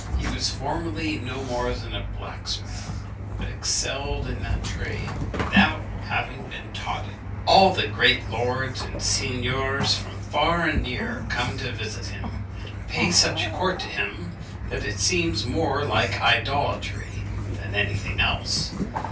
He was formerly no more than a blacksmith, but excelled in that trade without having been taught it. All the great lords and seigneurs from far and near come to visit him, and pay such court to him, that it seems more like idolatry than any thing else.